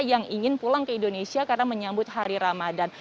yang ingin pulang ke indonesia karena menyambut hari ramadhan